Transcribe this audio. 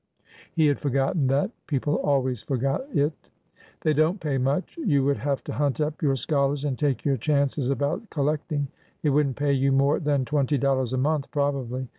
He had forgotten that. People always forgot it. '' They don't pay much. You would have to hunt up your scholars and take your chances about collecting. It would n't pay you more than twenty dollars a month, probably."